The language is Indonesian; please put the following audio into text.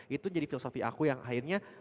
itu jadi filosofi aku yang akhirnya